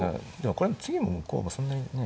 これも次も向こうがそんなにね